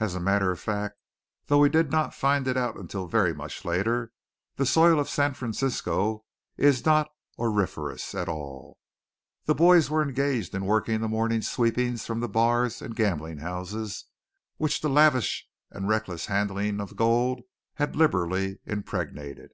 As a matter of fact, though we did not find it out until very much later, the soil of San Francisco is not auriferous at all. The boys were engaged in working the morning's sweepings from the bars and gambling houses which the lavish and reckless handling of gold had liberally impregnated.